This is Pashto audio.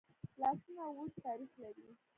لاسونه اوږد تاریخ لري